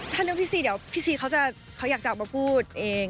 ถ้านึกพี่ซีเดี๋ยวพี่ซีเขาจะเขาอยากจะออกมาพูดเอง